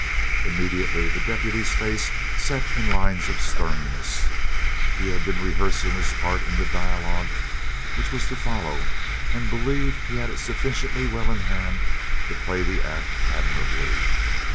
Immediately the deputy's face set in lines of sternness. He had been rehearsing his part in the dialogue which was to follow and believed he had it sufficiently well in hand to play the act admirably.